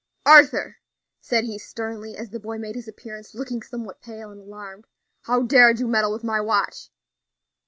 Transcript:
"Arthur," said he sternly, as the boy made his appearance, looking somewhat pale and alarmed, "how dared you meddle with my watch?"